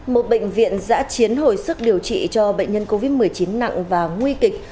một bệnh viện giã chiến hồi sức điều trị cho bệnh nhân covid một mươi chín nặng và nguy kịch